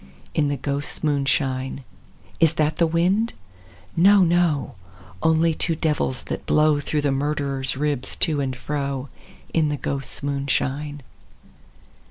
In the ghosts* moonshine. Is that the wind ? No, no ; Only two devils, that blow Through the murderer's ribs to and fro. In the ghosts' moonshine.